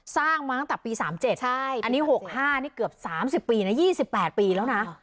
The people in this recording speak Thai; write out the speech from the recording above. สร้างมาตั้งแต่ปีสามเจ็ดใช่อันนี้หกห้านี่เกือบสามสิบปีน่ะยี่สิบแปดปีแล้วน่ะ